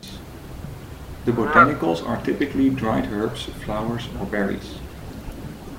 The botanicals are typically dried herbs, flowers or berries.